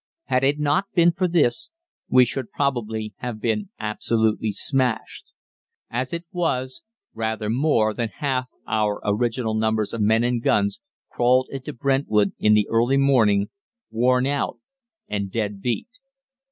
Had it not been for this we should probably have been absolutely smashed. As it was, rather more than half our original numbers of men and guns crawled into Brentwood in the early morning, worn out and dead beat."